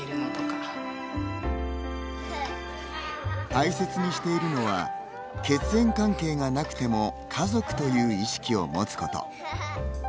大切にしているのは血縁関係がなくても家族という意識を持つこと。